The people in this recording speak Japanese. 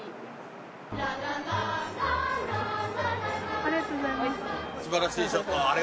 ありがとうございます。